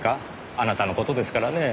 あなたの事ですからねぇ。